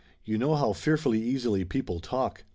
You know how fearfully easily people talk!"